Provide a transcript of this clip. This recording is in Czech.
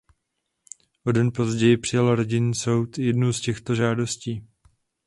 O den později přijal rodinný soud jednu z těchto žádostí.